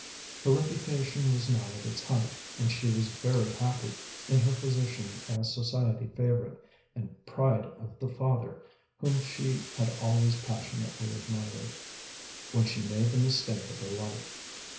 Her reputation was now at its height, and she was very happy in her position as society favorite and pride of the father whom she had always passionately admired, when she made the mistake of her life.